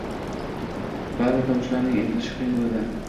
Baʼzi tovushlarning aytilishi qiyin boʻladi